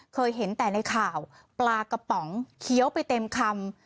เคยเห็นแต่ในข่าวปลากระป๋องเคี้ยวไปเต็มคำ